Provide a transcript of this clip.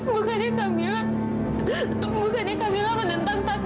bukannya kamilah ingin melawan allah